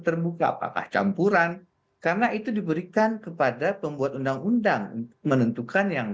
terbuka apakah campuran karena itu diberikan kepada pembuat undang undang menentukan yang